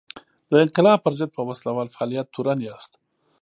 د انقلاب پر ضد په وسله وال فعالیت تورن یاست.